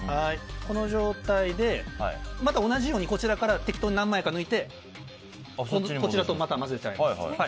この状態でまた同じようにこちらから適当に何枚か抜いてこちらとまた混ぜちゃいます。